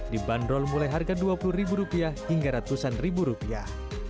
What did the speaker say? dibanderol mulai harga dua puluh ribu rupiah hingga ratusan ribu rupiah